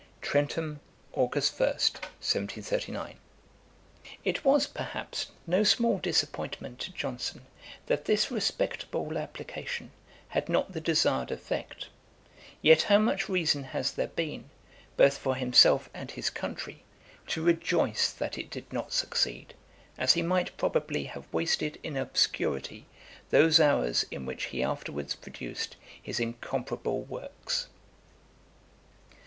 'Trentham, Aug. 1, 1739.' [Page 134: Johnson's wish to practise law. A.D. 1738.] It was, perhaps, no small disappointment to Johnson that this respectable application had not the desired effect; yet how much reason has there been, both for himself and his country, to rejoice that it did not succeed, as he might probably have wasted in obscurity those hours in which he afterwards produced his incomparable works.